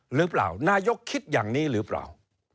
หรือเปล่านายกคิดอย่างนี้หรือเปล่า